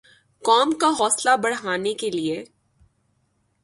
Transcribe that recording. قوم کا حوصلہ بڑھانے کیلئے